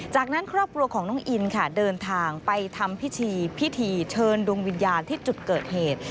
จากนั้นครอบครัวของน้องอินค่ะเดินทางไปทำพิธีพิธีเชิญดวงวิญญาณที่จุดเกิดเหตุ